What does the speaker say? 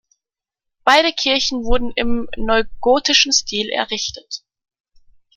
Beide Kirchen wurden im neugotischen Stil errichtet.